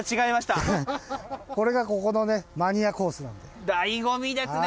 これがここのマニアコースなんで。